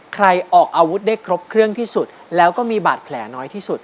ออกอาวุธได้ครบเครื่องที่สุดแล้วก็มีบาดแผลน้อยที่สุด